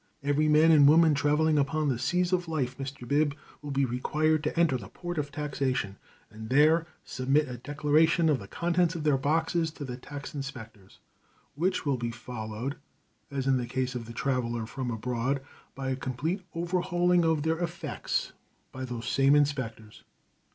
Every man and woman traveling upon the seas of life, Mr. Bib, will be required to enter the port of taxation and there submit a declaration of the contents of their boxes to the tax inspectors, which will be followed, as in the case of the traveler from abroad, by a complete overhauling of their effects by those same inspectors.